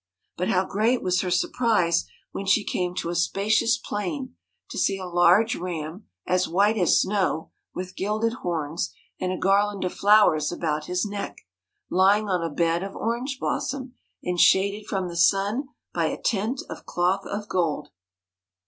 But how great was her surprise, when she came to a spacious plain, to see a large ram, as white as snow, with gilded horns, and a garland of flowers about his neck, lying on a bed of orange blossom, and shaded from the sun by a tent of cloth of gold.